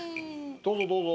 どうぞどうぞ。